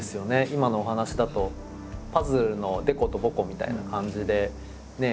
今のお話だとパズルのデコとボコみたいな感じでね